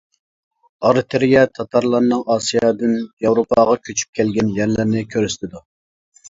ئارتېرىيە تاتارلارنىڭ ئاسىيادىن ياۋروپاغا كۆچۈپ كەلگەن يەرلىرىنى كۆرسىتىدۇ.